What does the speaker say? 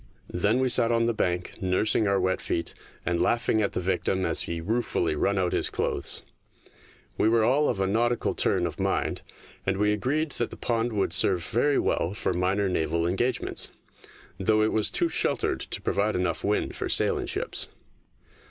Then we sat on the bank nursing our wet feet, and laugh ing at the victim as he ruefully wrung out his clothes. We were all of a nautical turn of mind, and we agreed that the pond would 20 THE DAY BEFORE YESTERDAY serve very well for minor naval engagements, though it was too sheltered to provide enough wind for sailing ships.